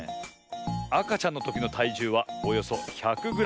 あかちゃんのときのたいじゅうはおよそ１００グラム。